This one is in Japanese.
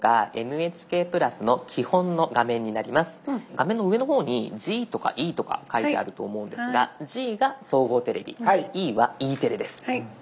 画面の上の方にＧとかＥとか書いてあると思うんですがＧが総合テレビＥはＥテレです。